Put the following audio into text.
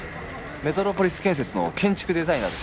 メトロポリス建設の建築デザイナーです。